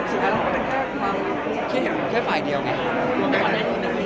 ไม่เห็นใจเขาถึงที่